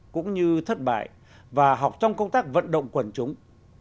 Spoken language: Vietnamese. cũng như thất bại và học trong công tác vận động quần chúng